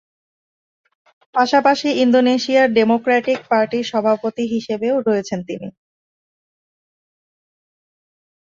পাশাপাশি ইন্দোনেশিয়ার ডেমোক্র্যাটিক পার্টির সভাপতি হিসেবেও রয়েছেন তিনি।